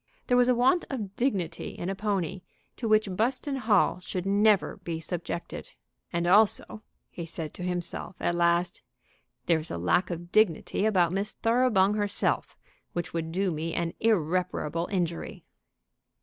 There was a want of dignity in a pony to which Buston Hall should never be subjected. "And also," he said to himself at last, "there is a lack of dignity about Miss Thoroughbung herself which would do me an irreparable injury."